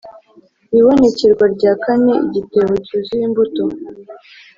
ibonekerwa rya kane: igitebo cyuzuye imbuto